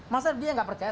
masa dia gak percaya